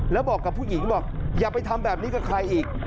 แล้วบอกกับผู้หญิงบอกอย่าไปทำแบบนี้กับใครอีก